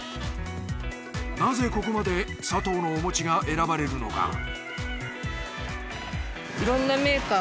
なぜここまでサトウのお餅が選ばれるのか？